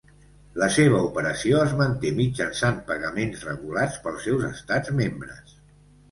La seva operació es manté mitjançant pagaments regulats pels seus estats membres.